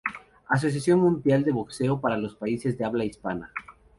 Asociación mundial de boxeo para los países de habla hispana.